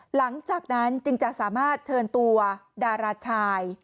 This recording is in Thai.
หลังจากนั้นจึงจะสามารถเชิญตัวดาราชาย